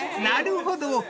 ［なるほど！